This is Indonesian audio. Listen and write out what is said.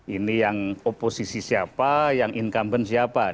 ini yang oposisi siapa yang incumbent siapa